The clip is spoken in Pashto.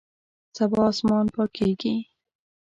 سبا اسمان پاکیږي